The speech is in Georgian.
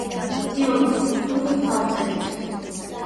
გიორგი ხუცური წარწერით.